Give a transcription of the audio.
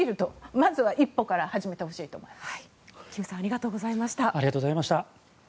まずは一歩から始めてほしいと思います。